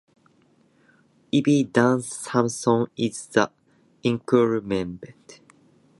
Ivy Dan Samson is the incumbent.